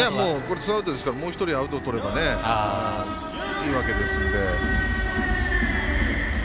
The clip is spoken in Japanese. ツーアウトですからもう一人、アウトをとればいいわけですので。